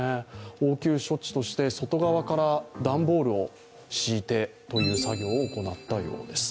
応急措置として外側から段ボールを敷いてという作業を行ったそうです。